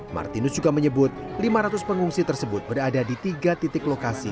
martinus juga menyebut lima ratus pengungsi tersebut berada di tiga titik lokasi